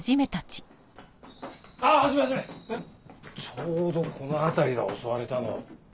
ちょうどこの辺りだ襲われたの。